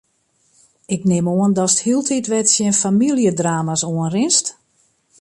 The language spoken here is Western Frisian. Ik nim oan datst hieltyd wer tsjin famyljedrama's oanrinst?